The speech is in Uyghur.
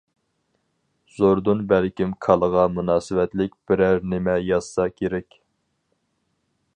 زوردۇن بەلكىم كالىغا مۇناسىۋەتلىك بىرەر نېمە يازسا كېرەك!